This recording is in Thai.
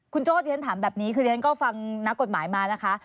คุณโจ้ที่ฉันถามแบบนี้คือฉันก็ฟังนักกฎหมายมานะคะ